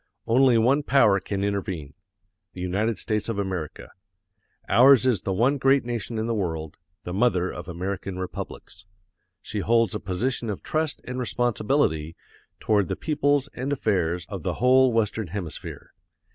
Only one power can intervene the United States of America. Ours is the one great nation in the world, the mother of American republics. She holds a position of trust and responsibility toward the peoples and affairs of the whole Western Hemisphere.